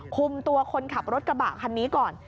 คุมตัวคนขับรถกระบะคันนี้ก่อน